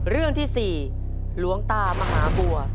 เรื่องที่๔หลวงตามหาบัว